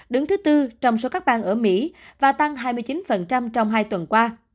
đứng thứ tư trong số các bang ở mỹ và tăng hai mươi chín trong hai tuần qua